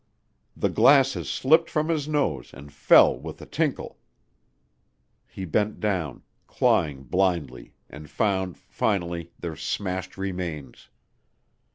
The glasses slipped from his nose and fell with a tinkle. He bent down, clawing blindly and found, finally, their smashed remains.